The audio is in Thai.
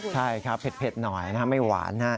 ใช่แพ็ดหน่อยไม่หวาน